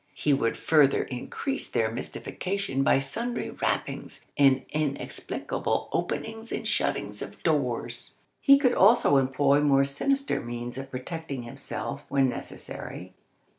He would further increase their mystification by sundry rappings, and inexplicable openings and shuttings of doors. He could also employ more sinister means of protecting himself when necessary.